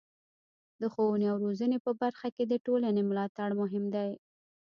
د ښوونې او روزنې په برخه کې د ټولنې ملاتړ مهم دی.